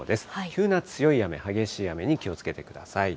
急な強い雨、激しい雨に気をつけてください。